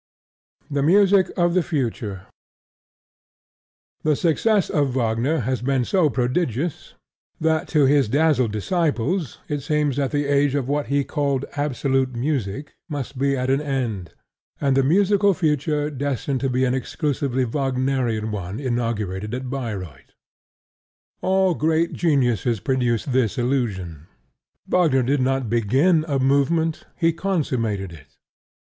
THE MUSIC OF THE FUTURE The success of Wagner has been so prodigious that to his dazzled disciples it seems that the age of what he called "absolute" music must be at an end, and the musical future destined to be an exclusively Wagnerian one inaugurated at Bayreuth. All great geniuses produce this illusion. Wagner did not begin a movement: he consummated it.